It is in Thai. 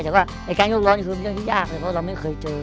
แต่ว่าการยกล้อนี่คือเรื่องที่ยากเลยเพราะเราไม่เคยเจอ